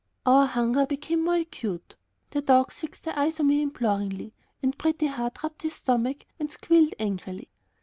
Our hunger became more acute. The dogs fixed their eyes on me imploringly, and Pretty Heart rubbed his stomach and squealed angrily.